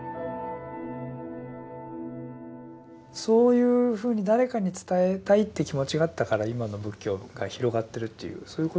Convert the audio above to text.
そういうふうに誰かに伝えたいって気持ちがあったから今の仏教が広がってるっていうそういうことなんでしょうね。